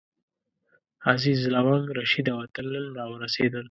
عزیز، لونګ، رشید او اتل نن راورسېدل.